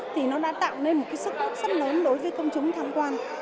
thì nó đã tạo nên một sức mức rất lớn đối với công chúng tham quan